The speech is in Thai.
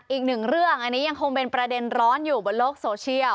อีกหนึ่งเรื่องอันนี้ยังคงเป็นประเด็นร้อนอยู่บนโลกโซเชียล